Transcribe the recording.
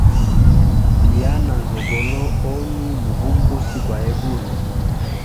Iya na nzogolo, oni muvumbusi gwa egulu.